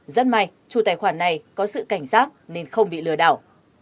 rất may chủ tài khoản này có sự cảnh giác nên không bị lừa đảo